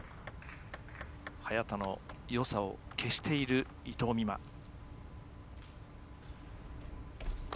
早田のよさを消している伊藤美誠。